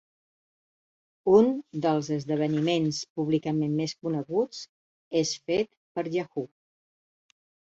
Un dels esdeveniments públicament més coneguts és fet per Yahoo!